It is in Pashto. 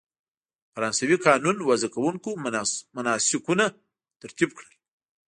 فرانسوي قانون وضع کوونکو مناسکونه ترتیب کړل.